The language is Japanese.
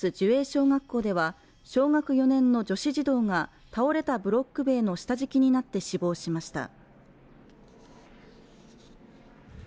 小学校では、小学４年の女子児童が倒れたブロック塀の下敷きになって死亡しました。